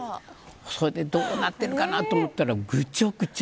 それでどうなってるかなと思ったら、ぐちゃぐちゃ。